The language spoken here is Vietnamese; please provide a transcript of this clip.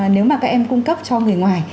nếu mà các em cung cấp cho người ngoài